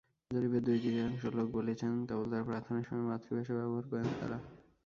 জরিপের দুই-তৃতীয়াংশ লোক বলেছেন, কেবল প্রার্থনার সময়ই মাতৃভাষা ব্যবহার করেন তাঁরা।